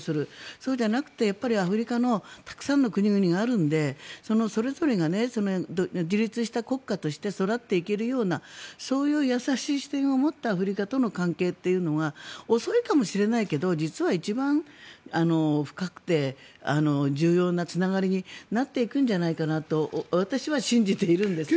そうじゃなくてアフリカのたくさんの国々があるんでそのそれぞれが自立した国家として育っていけるようなそういう優しい視点を持ったアフリカとの関係というのが遅いかもしれないけど実は一番深くて重要なつながりになっていくんじゃないかなと私は信じているんですけどね。